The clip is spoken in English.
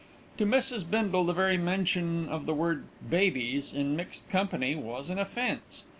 To Mrs. Bindle the very mention of the word "babies" in mixed company was an offence.